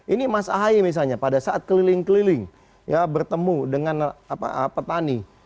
ini mas ahaye misalnya pada saat keliling keliling bertemu dengan petani